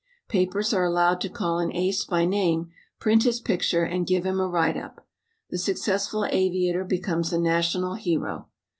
Papers are allowed to call an "ace" by name, print his picture and give him a write up. The successful aviator becomes a national hero.